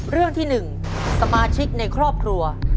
เรื่องที่๑สมาชิกในครอบครัว